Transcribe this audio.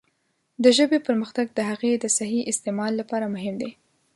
د ژبې پرمختګ د هغې د صحیح استعمال لپاره مهم دی.